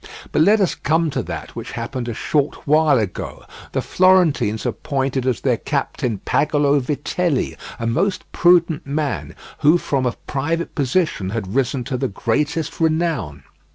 But let us come to that which happened a short while ago. The Florentines appointed as their captain Pagolo Vitelli, a most prudent man, who from a private position had risen to the greatest renown.